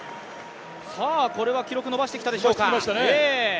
これは記録伸ばしてきたでしょうか。